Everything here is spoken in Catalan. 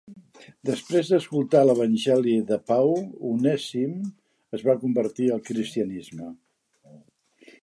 Després d'escoltar l'Evangeli de Pau, Onèsim es va convertir al cristianisme.